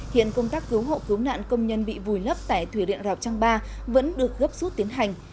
hiện công tác cứu hộ cứu nạn công nhân bị vùi lấp tại thủy điện rào trang ba vẫn được gấp rút tiến hành